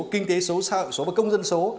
kinh tế số xã hội số và công dân số